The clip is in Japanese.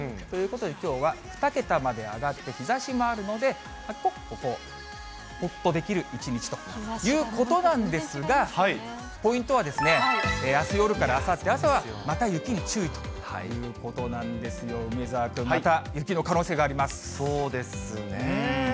ということできょうは、２桁まで上がって日ざしもあるので、ちょっとこう、ほっとできる一日ということなんですが、ポイントはですね、あす夜からあさって朝は、また雪に注意ということなんですよ、梅澤君、また雪の可能性があそうですね。